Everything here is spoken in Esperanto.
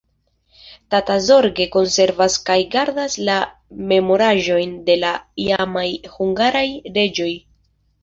Tata zorge konservas kaj gardas la memoraĵojn de la iamaj hungaraj reĝoj.